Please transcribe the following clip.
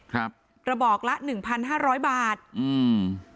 กระบอกละหนึ่งพันห้าร้อยบาทอืม